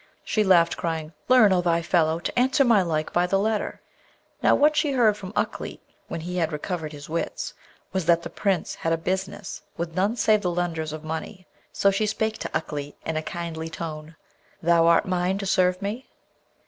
She laughed, crying, 'Learn, O thou fellow, to answer my like by the letter.' Now, what she heard from Ukleet when he had recovered his wits, was that the Prince had a business with none save the lenders of money. So she spake to Ukleet in a kindly tone, 'Thou art mine, to serve me?'